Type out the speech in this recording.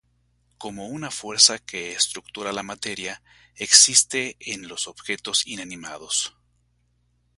Como una fuerza que estructura la materia, existe en los objetos inanimados.